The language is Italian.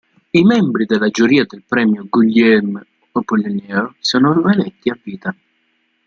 I membri della giuria del premio Guillaume-Apollinaire sono eletti a vita.